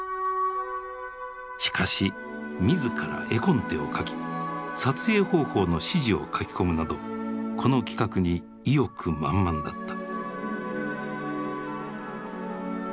しかし自ら絵コンテを描き撮影方法の指示を書き込むなどこの企画に意欲満々だった。